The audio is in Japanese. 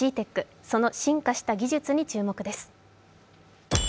その進化した技術に注目です。